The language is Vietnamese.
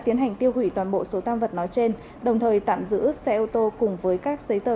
tiến hành tiêu hủy toàn bộ số tăng vật nói trên đồng thời tạm giữ xe ô tô cùng với các giấy tờ